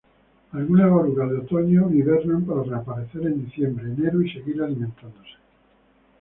Algunas orugas de otoño hibernan para reaparecer en diciembre-enero y seguir alimentándose.